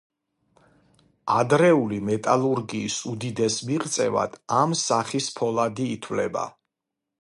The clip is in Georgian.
ადრეული მეტალურგიის უდიდეს მიღწევად ამ სახის ფოლადი ითვლება.